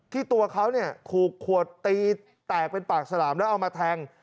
ตัวเขาเนี่ยถูกขวดตีแตกเป็นปากฉลามแล้วเอามาแทง